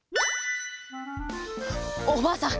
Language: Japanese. おばあさん